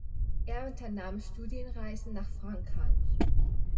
Er unternahm Studienreisen nach Frankreich.